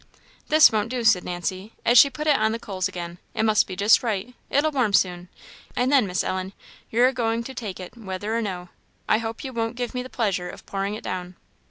"This won't do," said Nancy, as she put it on the coals again "it must be just right; it'll warm soon, and then, Miss Ellen, you're agoing to take it, whether or no. I hope you won't give me the pleasure of pouring it down."